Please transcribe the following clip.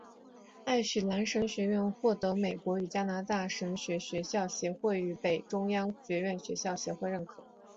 爱许兰神学院或得美国与加拿大神学学校协会和北中央学院学校协会认可。